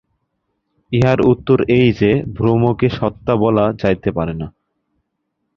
ইহার উত্তর এই যে, ভ্রমকে সত্তা বলা যাইতে পারে না।